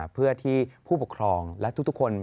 เพื่อที่ผู้ปกครองและทุกคน